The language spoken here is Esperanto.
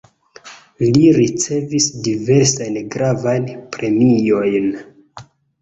Li ricevis diversajn gravajn premiojn.